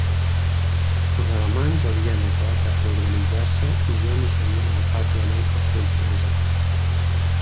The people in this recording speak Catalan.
Els alemanys havien acabat de reorganitzar-se i ja no serien agafats de nou per sorpresa.